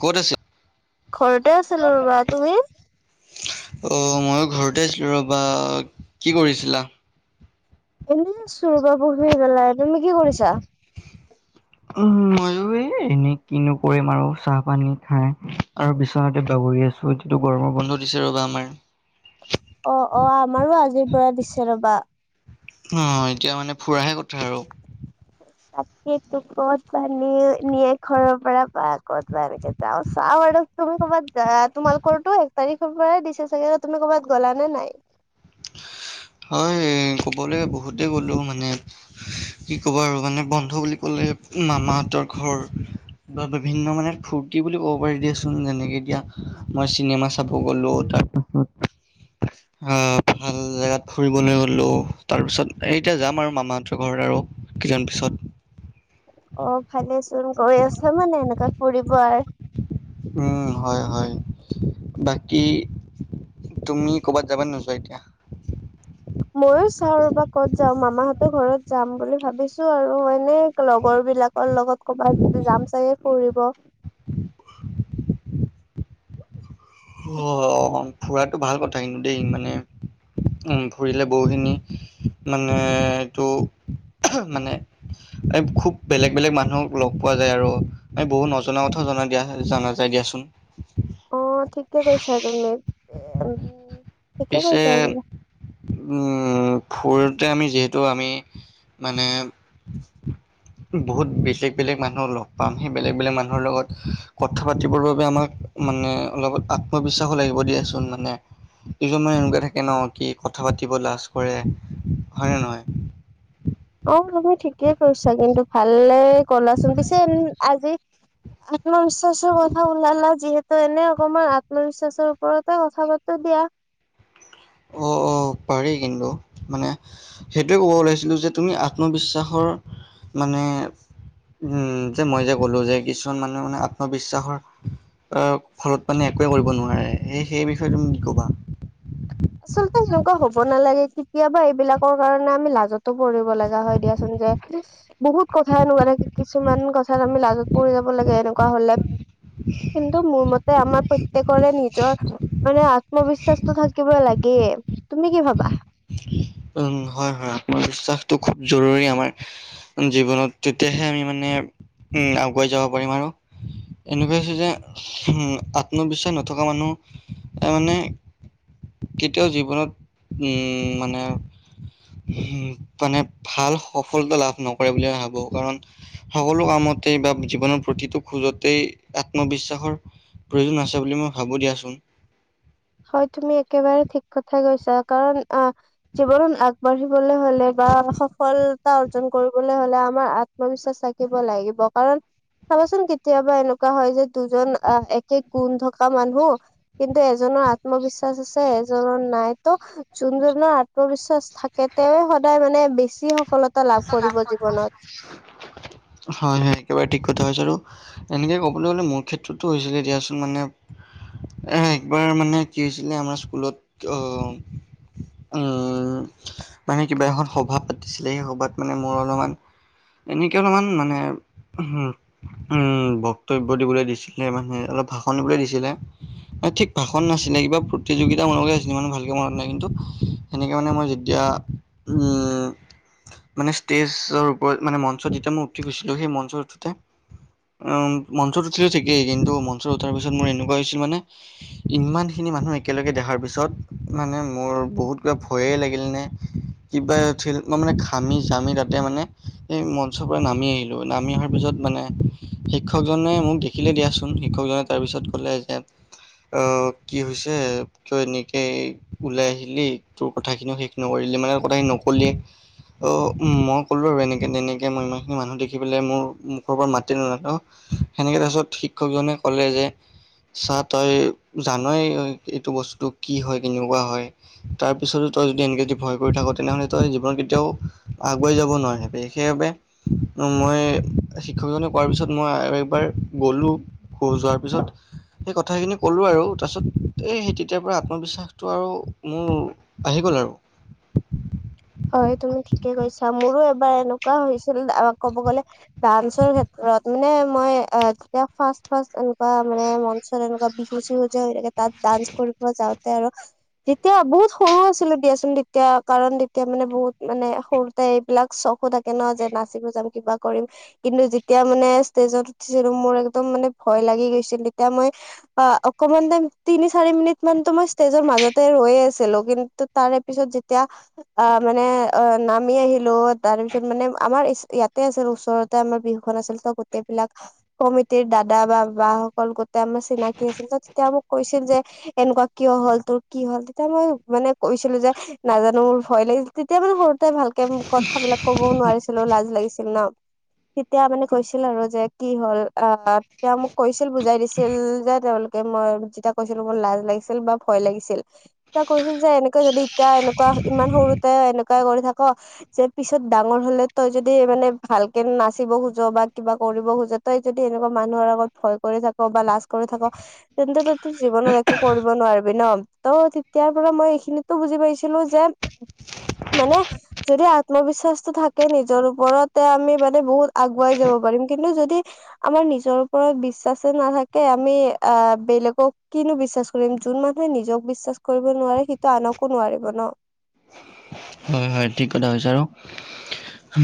ক'ত আছে? ঘৰতে আছিলো ৰোৱা, তুমি? অঁ' মইয়ো ঘৰতে আছিলোঁ ৰ'বা কি কৰিছিলা? এনেই আছো ৰবা বহি পেলাই। তুমি কি কৰিছা? উম, মইয়ো এ এনেই কিনো কৰিম আৰু চাহ পানী খাই আৰু বিচনাতে বাগৰি আছো এতি এইটো গৰমৰ বন্ধ দিছে ৰ'বা আমাৰ। অ', অ' আমাৰো আজিৰ পৰা দিছে ৰ'বা। অ' এতিয়া মানে ফুৰাহে কথা আৰু। তাকেটো ক'ত বা নিয় নিয়ে ঘৰৰ পৰা বা ক'ত বা এনেকে যাওঁ চাওঁ আৰু তুমি ক'ৰবাত যা তোমালোকৰতো এক তাৰিখৰ পৰাই দিছে চাগে ন তুমি কবাত গ'লা নে নাই? হয় ক'বলে বহুতেই গ'লো মানে কি ক'বা আৰু মানে বন্ধ বুলি ক'লে মামাহঁতৰ ঘৰ, বা বিভিন্ন মানে ফুৰ্তি বুলি ক'ব পাৰি দিয়াচোন যেনেকে এতিয়া মই চিনেমা চাব গলো তাত উ আ ভাল জেগাত ফুৰিবলে গলো তাৰ পিছত এতিয়া যাম আৰু মামাহঁতৰ ঘৰত আৰু। কেইদিনমান পিছত। অ' ভালেচোন গৈ আছ মানে এনেকা ফুৰিব আৰ- উম হয়, হয় বাকী তুমি ক'বাত যাবা নে নোযোৱা এতিয়া? মইয়ো চাওঁ ৰবা ক'ত যাওঁ মামাহঁতৰ ঘৰত যাম বুলি ভাবিছো আৰু এনেই লগৰ বিলাক কৰ লগত কৰবাত যাম চাগে ফুৰিব। [unintelligible] অ ফুৰাটো ভাল কথা কিন্তু দেই মানে উ ফুৰিলে বহুখিনি মানেটো মানে এই খুব বেলেগ বেলেগ মানুহক লগ পোৱা যায় আৰু এই বহু নজনা কথাও জনা দিয়াহে জনাত যাই দিয়াচোন। অ ঠিকে কৈছা তুমি এ উম ঠিকে পিছে কৈছা এইবিলাক উম ফুৰোতে আমি যিহেতু আমি মানে বহুত বেলেগ বেলেগ মানুহ লগ পাম সেই বেলেগ বেলেগ মানুহৰ লগত কথা পাতিবৰ বাবে আমাক মানে অলপ আত্মবিশ্বাসো লাগিব দিয়াচোন মানে দুজনমান এনেকুৱা থাকে ন কি কথা পাতিব লাজ কৰে হয় নে নহয়। অ তুমি ঠিকেই কৈছা কিন্তু ভালে কলাচোন পিছে আজি আত্ম বিশ্বাসৰ কথা ওলালা যিহে ত এনে অকমমান আত্মবিশ্বাসৰ ওপৰতে কথা পাতো দিয়া। অ অ পাৰি কিন্তু মানে সেইটোৱে ক'ব ওলাইছিলোঁ যে তুমি আত্মবিশ্বাসৰ মানে উম যে মই যে ক'লো যে কিছুমান মানুহে মানে আত্মবিশ্বাসৰ অ ফলত মানে একোৱে কৰিব নোৱাৰে সেই সেই বিষয়ে তুমি কি কবা? আচলতে সেনেকুৱা হ'ব নালাগে কেতিয়াবা এইবিলাকৰ কাৰণে আমি লাজতো পৰিব লগা হয় দিয়াচোন যে বহুত কথা এনেকুৱা থাকে কিছুমান কথাত আমি লাজত পৰি যাব লাগে এনেকুৱা হ'লে। কিন্তু মোৰ মতে আমাৰ প্ৰত্যেকৰে নিজৰ মানে আত্মবিশ্বাসটো থাক থাকিব লাগে তুমি কি ভাবা? উম হয়, হয় আত্মবিশ্বাসটো খুব জৰুৰী আমাৰ। জীৱনত তেতিয়াহে আমি মানে উম আগুৱাই যাব পাৰিম আৰু। এনেকুৱা হৈছে যে হুম আত্মবিশ্বাস নথকা মানুহ এ মানে কেতিয়াও জীৱনত উমম মানে উম মানে ভাল সফলতা লাভ নকৰে বুলি ভাবো কাৰণ সকলো কামতে বা জীৱনৰ প্ৰতিটো খোজতেই আত্মবিশ্বাসৰ প্ৰয়োজন আছে বুলি মই ভাবো দিয়াচোন। হয় তুমি একেবাৰে ঠিক কথাই কৈছা কাৰণ অ জীৱনত আ বাঢ়িবলৈ হলে বা সফলতা অৰ্জন কৰিবলে হলে আমাৰ আত্মবিশ্বাস থাকিব লাগিব। কাৰণ চাবাচোন কেতিয়াবা এনেকুৱা হয় যে দুজন একে গুণ থকা মানুহ কিন্তু এজনৰ আত্মবিশ্বাস আছে এজনৰ নাই ত যোনজনৰ আত্মবিশ্বাস থাকে তেওঁৱে সদায় মানে বেছি সফলতা লাভ কৰিব জীৱনত। হয় হয় একেবাৰে ঠিক কথা কৈছা আৰু এনেকে ক'বলৈ গ'লে মোৰ ক্ষেত্ৰটো হৈছিলে দিয়াচোন মানে একবাৰ মানে কি হৈছিলে আমাৰ স্কুলত অহ উম মানে কিবা এখন সভা পাতিছিলে সেই সভাত মানে মোৰ অলপমান এনেকে অলপমান মানে হোম উম বক্তব্য দিবলৈ দিছিলে মানে অলপ ভাষণ দিবলৈ দিছিলে। এ ঠিক ভাষণ নাছিলে কিবা প্ৰতিযোগিতা মনলে আছিলে মানে ইমানো ভালকে মনত নাই কিন্তু সেনেকে মানে মই যেতিয়া উম মানে ষ্টেজৰ ওপৰত মানে মঞ্চত যেতিয়া মই উঠি গৈছিলো সেই মঞ্চত উঠোতে উম মঞ্চত উঠিলো ঠিকেই কিন্তু মঞ্চত উঠাৰ পিছত মোৰ এনেকুৱা হৈছিল মানে ইমানখিনি মানুহ একেলগে দেখাৰ পিছত মানে মোৰ বহুত কিবা ভয়ে লাগিল নে কিবা ফিল মই মানে ঘামি জামি তাতে মানে এই মঞ্চৰ পৰা নামি আহিলো নামি অহাৰ পিছত মানে শিক্ষকজনে মোক দেখিলে দিয়াচোন শিক্ষকজনে তাৰপিছত ক'লে যে অ কি হৈছে তই এনেকে ওলাই আহিলি তোৰ কথা খিনিও শেষ নকৰিলি মানে কথাখিনি নকলি অ উম মই ক'লো আৰু এনেকে তেনেকে মই ইমানখিনি মানুহ দেখি পেলাই মোৰ মুখৰ পৰা মাতেই নোলাল অ সেনেকে তাৰ পাছত শিক্ষকজনে ক'লে যে ছা তই জানয়েই এইটো বস্তুটো কি হয় কেনেকুৱা হয় তাৰ পিছতো তই যদি এনেকে যদি ভয় কৰি থাকো তেনেহ'লে তই জীৱনত কেতিয়াও আগুৱাই যাব নোৱাৰিবি সেইবাবে মই শিক্ষকজনে কোৱাৰ পিছত মই একবাৰ গ'লো শোচ অহাৰ পিছত সেই কথাখিনি ক'লো আৰু তাৰপিছত এই সেই তেতিয়াৰ পৰা আত্মবিশ্বাসটো আৰু মোৰ আহি গ'ল আৰু হয় তুমি ঠিকে কৈছা মোৰো এবাৰ এনেকুৱা হৈছিল কব গলে ডান্সৰ ক্ষেত্ৰত মানে মই তেতিয়া ফাৰ্ষ্ট ফাৰ্ষ্ট এনেকুৱা মানে মন মঞ্চত এনেকুৱা বিহু চিহু যে হৈ থাকে তাত ডান্স কৰিব যাওঁতে আৰু যেতিয়া বহুত সৰু আছিলে দিয়াচোন তেতিয়া কাৰণ তেতিয়া মানে বহুত মানে সৰুতে এইবিলাক চখো থাকে ন যে নাচিব যাম কিবা কৰিম কিন্তু যেতিয়া মানে ষ্টেজত উঠিছিলো মোৰ একদম মানে ভয় লাগি গৈছিল তেতিয়া মই অকমান টাইম তিনি চাৰি মিনিট মানতো মই ষ্টেজৰ মাজতে ৰৈয়ে আছিলো কিন্তু তাৰেপিছত যেতি এতিয়া অ মানে অ নামি আহিলো তাৰপিছত মানে আমাৰ ইয়াত ইয়াতে আছিল ওচৰতে আমাৰ বিহুখন আছিল ত গোটেইবিলাক কমিটিৰ দাদা বা বাসকল গোটতে আমাৰ চিনাকি আছিল ত তেতিয়া মোক কৈছিল যে এনেকুৱা কিয় হ'ল তোৰ কি হ'ল তেতিয়া মই মানে কৈছিলো যে নাজানো মোৰ ভয় লাগিল, তেতিয়া মানে সৰুতে ভালকে [unintelligible] কথাবিলাক ক'বও নোৱাৰিছিলোঁ, লাজ লাগিছিল ন'। তেতিয়া মানে কৈছিল আৰু যে কি হ'ল আ আপ তেওঁ মোক কৈছিল, বুজাই দিছিল যে তেওঁলোক এ মই যেতিয়া কৈছিলো- মোৰ লাজ লাগিছিল বা ভয় লাগিছিল তীয়া কৈছিল যে এনে এতিয়া এনেকুৱা, ইমান সৰুতে এনেকুৱাই কৰি থাকো যে পিছত ডাঙৰ হ'লে তই যদি মানে ভালকে নাচিব খোজ' বা কিবা কৰিব খোজ' তই যদি এনেকুৱা মানুহৰ আগত ভয় কৰি থাকা বা লাজ কৰি থাকা তেন্তে তোৰ জীৱনত একো কৰিব নোৱাৰিবি ন'। ত', তেতিয়াৰ পৰা মই এইখিনিতো বুজি পাই ছিনো যে, মানে? যদি আত্মবিশ্বাসটো থাকে নিজৰ ওপৰত তে আমি মানে বহুত আগুৱাই যাব পাৰিম কিন্তু যদি আমাৰ নিজৰ ওপৰত বিশ্বাসে নাথাকে, আমি আহ বেলেগক কিনো বিশ্বাস ৰিন যোন মানুহে নিজক বিশ্বাস কৰিব নোৱাৰে, সিটো আনকো নোৱাৰিব ন'। হয়, হয়। ঠিক কথা কৈছা। আৰু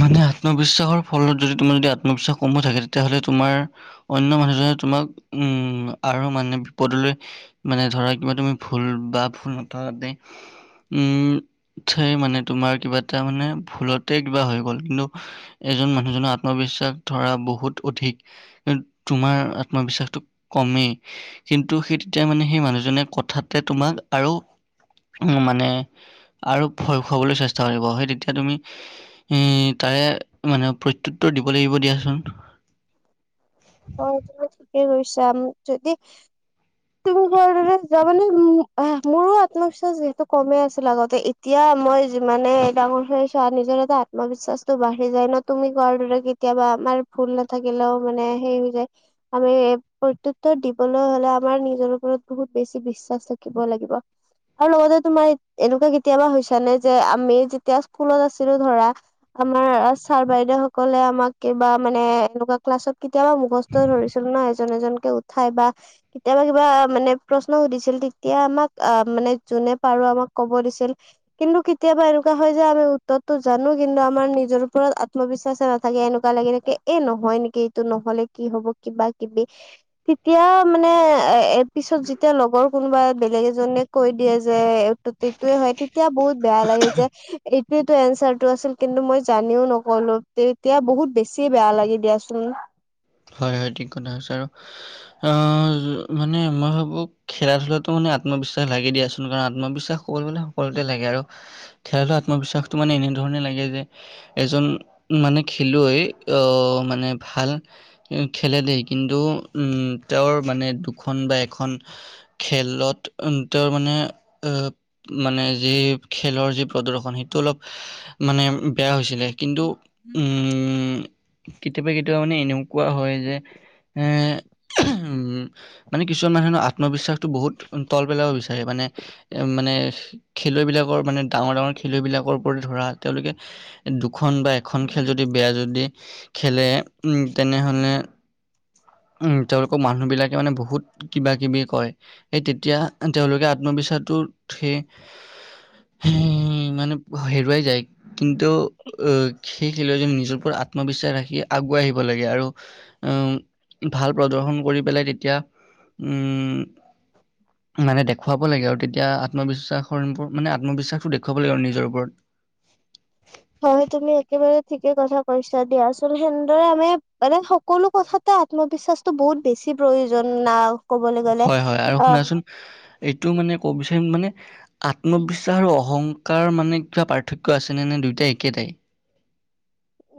মানে আত্মবিশ্বাসৰ ফলত যদি তোমাৰ যদি আত্মবিশ্বাস কমো থাকে তেতিয়াহ'লে তোমাৰ অন্য মানুহজনে তোমাক উম আৰু মানে বিপদলৈ মানে ধৰা কিবা তুমি ভুল বা ভুল [unintelligible] তে উম সেই মানে তোমাৰ কিবা এটা মানে ভুলতে কিবা হৈ গ'ল কিনো এজন মানুহজনৰ আত্মবিশ্বাস ধৰা বহুত অধিক তোমাৰ আত্মবিশ্বাসটো কমেই। কিন্তু সেই তেতিয়া মানে সেই মানুহজনে কথাতে তোমাক আৰু উম, মানে আৰু ভয় খুৱাবলৈ চেষ্টা কৰিব। সেই তেতিয়া তুমি ই, তাৰে মানে প্ৰত্যুত্তৰ দিব লাগিব দিয়াচোন। হয়, তুমি ঠিকেই কৈছা। উম যদি তুঙঘৰ এ যোৱা মানে, মোৰো আত্মবিশ্বাস যিহেতু কমে আছিল আগতে, এতিয়া মই যিমানে ডাঙৰ [unintelligible] চোৱা নিজৰ এটা আত্মবিশ্বাসটো বাঢ়ি যায় ন'। তুমি কোৱাৰ দৰে কেতিয়াবা আমাৰ ভুল নাথাকিলেও মানে সেই হৈ যায়। আমি প্ৰত্যত্তুৰ দিবলৈ হ'লে আম মাৰ নিজৰ ওপৰত বহুত বেছি বিশ্বাস থাকিব লাগিব। আৰু লগতে তোমাৰ এনেকুৱা কেতিয়াবা হৈছে নে? যে আমি যেতিয়া স্কুলত আছিলো ধৰা আমাৰ ছাৰ বাইদেউ সকলে আমাক কিবা মানে এনেকুৱা ক্লাছত কেতিয়াবা মুখস ত' ধৰিছিল ন', এজন এজনকৈ উঠাই বা কেতিয়াবা কিবা মানে প্ৰশ্ন সুধিছিল, তেতিয়া আমাক আহ মানে যোনে পাৰো আমাক ক'ব দিছিল। কিন্তু কেতিয়াবা এনেকুৱা হয় যে আমি উত্তৰটো জানো কিন্তু আমাৰ নিজৰ ওপৰত আত্মবিশ্বাসে নাথাকে। এনেকুৱা লাগে এ, নহয় নেকি এইটো? নহ'লে কি হ'ব? কিবা কিবি। তেতিয়া মানে এ পিছত যেতিয়া লগৰ কোনোবা বেলেগ এজনীয়ে কৈ দিয়ে যে এইটোত এইটোয়ে হয়। তিত তিয়া বহুত বেয়া লাগে যে এইটোৱে টো এনচাৰটো আছিল, কিন্তু মই জানিও নক'লো। তেতিয়া বহুত বেছিয়ে বেয়া লাগে দিয়াচোন। হয়, হয়। ঠিক কথা কৈছা আৰু অ, মানে মই ভাবো খেলা-ধূলাতো মানে আত্মবিশ্বাস লাগে দিয়াচোন, কাৰণ আত্মবিশ্বাস সকলো মানে সকলোতে লাগে আৰু। খেলটো আত্মবিশ্বাসটো মানে এনেধৰণে লাগে যে এজন মানে খেলুৱৈ আ মানে ভাল খেলে দে, কিন্তু উম, তেওঁৰ মানে দুখন বা এখন খেলত উ তেওঁৰ মানে এ মানে যি খেলৰ যি প্ৰদৰ্শন সেইটো অলপ মানে বেয়া হৈছিলে, কিন্তু উম কেতিয়াবা কেতিয়াবা মানে এনেও কোৱা হয় যে এ উম মানে কিছুমান মানুহেৰ আত্মবিশ্বাস টো বহুত তল পেলাব বিচাৰে মানে এ মানে খেলুৱৈবিলাকৰ মানে ডাঙৰ ডাঙৰ খেলুৱৈবিলাকৰ ওপৰতে ধৰা তেওঁলোকে দুখন বা এখন খেল যদি বেয়া যদি খেলে উম তেনেহ'লে উম তেওঁলোকক মানুহবিলাকে মানে বহুত কিবা কিবি কয় সেই তেতিয়া তেওঁলোকে আত্মবিশ্বাসটো সেই হুম মানে হেৰুৱাই যায় কিন্তু অ সেই খেলুৱৈজনী নিজৰ ওপৰত আত্মবিশ্বাস ৰাখি আগুৱাই আহিব লাগে আৰু উম ভাল প্ৰদৰ্শন কৰি পেলাই তেতিয়া উম মানে দে হোৱাব লাগে আৰু তেতিয়া আত্মবিশ্বাসৰ মানে আত্মবিশ্বাসটো দেখুৱাব লাগে আৰু নিজৰ ওপৰত হয় তুমি একেবাৰে ঠিকে কথা কৈছা দিয়া আচল সেনদ আমি মানে হক সকলো কথাতে আত্মবিশ্বাসটো বহুত বেছি প্ৰয়োজন ন ক'বলে গ'লে হয় হয় আৰু অ শুনাচোন এইটো মানে ক'ব বিচাৰিম মানে আত্মবিশ্বাস আৰু অহংকাৰ মানে কিবা পাৰ্থক্য আছেনে নে দুয়োটা একেটাই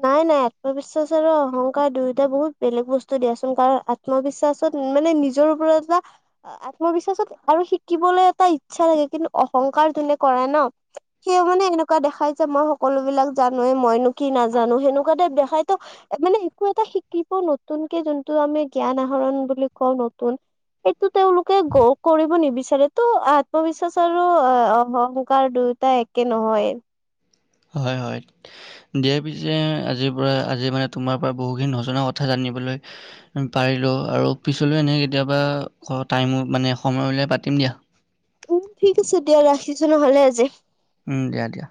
নাই নাই আত্মবিশ্বাস আৰু অহংকাৰ দুয়োটা বহুত বেলেগ বস্তু দিয়াচোন কাৰণ আত আত্মবিশ্বাসত মানে নিজৰ ওপৰত এটা আত্মবিশ্বাসত আৰু শিকিবলৈ এটা ইচ্ছা লাগে কিন্তু অহংকাৰ জোনে কৰে ন সেই মানে এনেকুৱা দেখাই যে মই সকলো বিলাক জানোৱে মইনো কি নাজানো সেনেকুৱাতে দেখাইতো মানে একো এটা শিকিব নতুনকে যোনটো আমি জ্ঞান আহৰণ বুলি কওঁ নতুন এইটো তেওঁলোকে গ কৰিব নিবিচাৰেতো আত্মবিশ্বাস আৰু অহংকাৰ দু টা একে নহয় হয় হয় দিয়া পিছে আজিৰ পৰা আজি মানে তোমাৰ পৰা বহুখিনি নজনা কথা জানিবলৈ পাৰিলোঁ আৰু পিছলৈও এনে কেতিয়াবা ঘৰত টাইমো মানে সময় উলিয়াই পাতিম দিয়া। উম ঠিক আছে দিয়া ৰাখিছো নহ'লে আজি উম দিয়া দিয়া